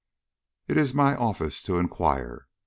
It is my office to inquire.